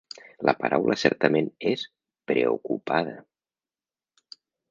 La paraula certament és "preocupada".